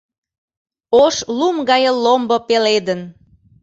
Ош лум гае ломбо пеледын.